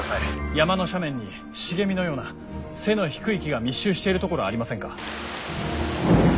山の斜面に茂みのような背の低い木が密集しているところありませんか？